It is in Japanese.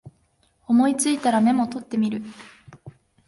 思いついたらメモ取ってみる